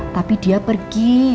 tapi dia pergi